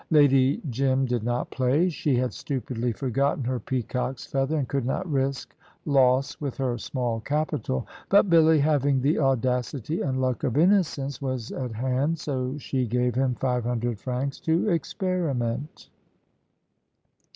Lady Jim did not play. She had stupidly forgotten her peacock's feather and could not risk loss with her small capital. But Billy, having the audacity and luck of innocence, was at hand, so she gave him five hundred francs to experiment.